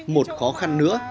một khó khăn nữa